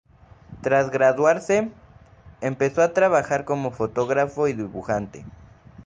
Tras graduarse, empezó a trabajar como fotógrafo y dibujante.